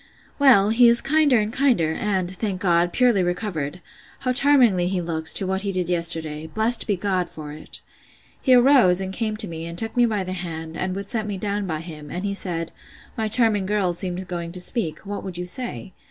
Well, he is kinder and kinder, and, thank God, purely recovered!—How charmingly he looks, to what he did yesterday! Blessed be God for it! He arose, and came to me, and took me by the hand, and would set me down by him; and he said, My charming girl seemed going to speak. What would you say?